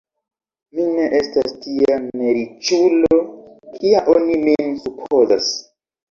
Mi ne estas tia neriĉulo, kia oni min supozas.